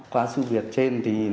qua sự việc trên